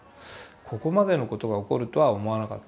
ここまでのことが起こるとは思わなかった。